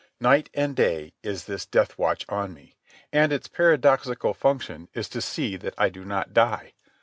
Night and day is this death watch on me, and its paradoxical function is to see that I do not die.